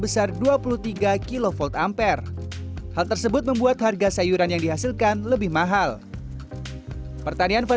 karena kita bisa memprediksikannya